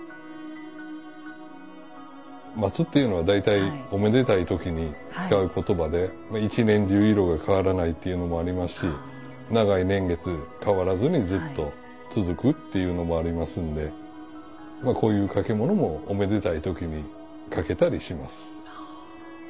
松っていうのは大体おめでたい時に使う言葉で一年中色が変わらないというのもありますし長い年月変わらずにずっと続くっていうのもありますんでこういう掛物もおめでたい時にかけたりします。